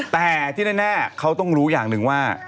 แต่ที่แน่เขาต้องรู้อย่างหนึ่งว่า